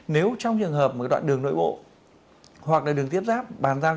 nếu trong trường hợp một đoạn đường nội bộ hoặc là đường tiếp giáp bàn giao